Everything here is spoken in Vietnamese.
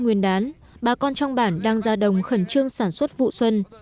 nguyên đán bà con trong bản đang ra đồng khẩn trương sản xuất vụ xuân